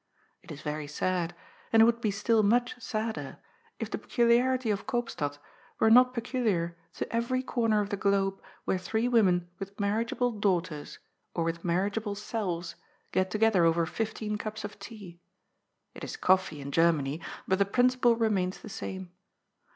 It is very sad, and it would be still much sadder, if the peculiarity of Koop stad were not peculiar to every comer of the globe where three women with marriageable daughters, or with marriage able selves, get together over fifteen cups of tea — it is coffee in Gennany, but the principle remains the same.